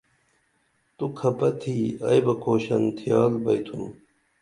تو کھپہ تِھی ائی بہ کُھوشن تِھیال بئی تُھم